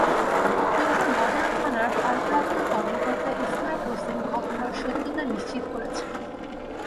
Tongi model থানার ভারপ্রাপ্ত কর্মকর্তা ইসমাইল হোসেন ঘটনার সত্যতা নিশ্চিত করেছেন।